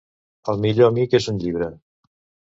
El millor amic és un llibre.